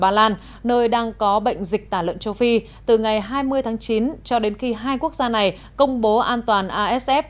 ba lan nơi đang có bệnh dịch tả lợn châu phi từ ngày hai mươi tháng chín cho đến khi hai quốc gia này công bố an toàn asf